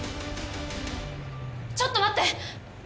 ちょっと待って！